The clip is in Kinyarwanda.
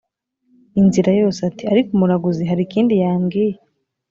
inzira yose ati"ariko umuraguzi harikindi yambwiye